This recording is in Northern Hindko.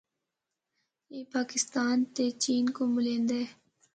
اے پاکستان تے چین کو ملیندا ہے۔